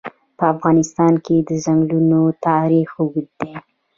په افغانستان کې د ځنګلونه تاریخ اوږد دی.